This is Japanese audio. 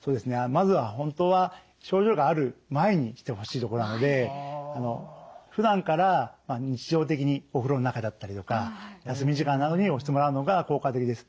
まずは本当は症状がある前にしてほしいところなのでふだんから日常的にお風呂の中だったりとか休み時間などに押してもらうのが効果的です。